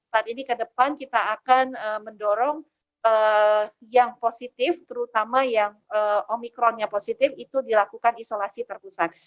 saat ini ke depan kita akan mendorong yang positif terutama yang omikronnya positif itu dilakukan isolasi terpusat